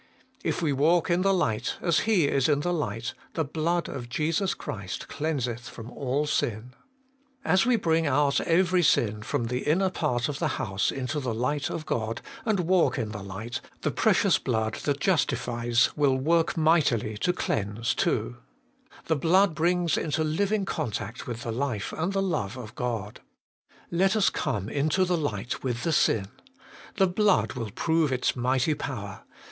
' If we walk in the light, as He is in the light, the blood of Jesus Christ cleanseth from all sin/ As we bring out every sin from the inner part of the house into the light of God and walk in the light, the precious blood that justifies will work mightily to cleanse too : the blood brings into living contact with the life and the love of God. Let us come into the light with the sin : the blood will prove its mighty power.